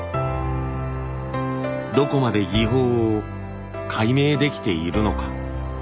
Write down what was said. どこまで技法を解明できているのか。